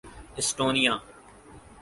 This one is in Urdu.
اسٹونیا